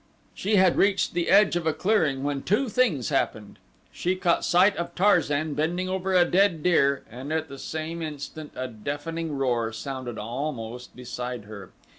She had reached the edge of a clearing when two things happened she caught sight of Tarzan bending over a dead deer and at the same instant a deafening roar sounded almost beside her.